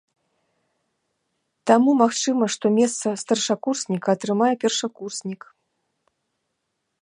Таму магчыма, што месца старшакурсніка атрымае першакурснік.